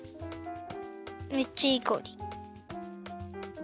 めっちゃいいかおり。